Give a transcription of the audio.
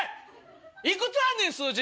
幾つあんねん数字。